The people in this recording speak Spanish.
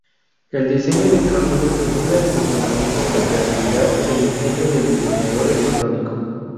El Diseño Electrónico estimula el funcionamiento, la creatividad e ingenio del diseñador electrónico.